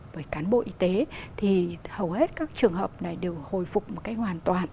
bởi cán bộ y tế thì hầu hết các trường hợp này đều hồi phục một cách hoàn toàn